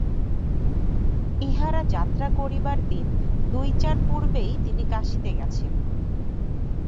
ইঁহারা যাত্রা করিবার দিন-দুইচার পূর্বেই তিনি কাশীতে গেছেন।